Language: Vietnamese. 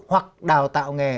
hoặc đào tạo nghề